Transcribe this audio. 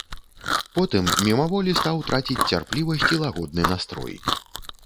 Потым мімаволі стаў траціць цярплівасць і лагодны настрой.